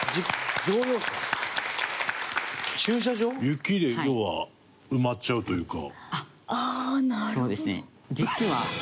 雪で冬は埋まっちゃうというか。